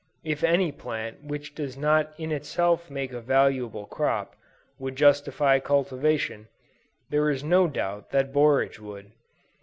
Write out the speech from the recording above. If any plant which does not in itself make a valuable crop, would justify cultivation, there is no doubt that borage would.